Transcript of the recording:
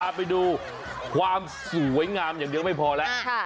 ไปดูความสวยงามอย่างเดียวไม่พอแล้ว